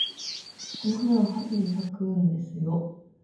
この花は春に咲くんですよ。